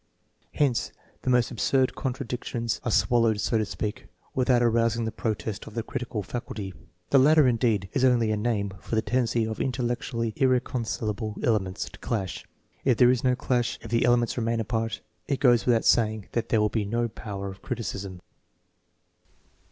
Hence, the most absurd contradictions are swallowed, so to speak, without arousing the protest of the critical faculty. The latter, indeed, is only a name for the tendency of intellectually irreconcilable elements to clash. If there is no clash, if the elements remain apart, it goes without saying that there will be no power of criticism.